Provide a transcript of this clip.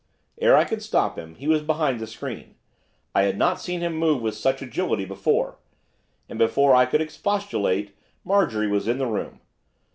Ere I could stop him he was behind the screen, I had not seen him move with such agility before! and before I could expostulate Marjorie was in the room.